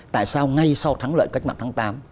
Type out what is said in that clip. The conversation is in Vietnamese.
tại sao ngay sau thắng lợi cách mạng tháng tám